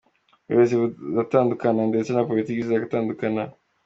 Ubuyobozi buratandukana ndetse na Politiki ziratandukana.